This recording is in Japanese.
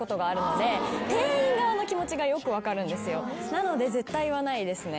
なので絶対言わないですね。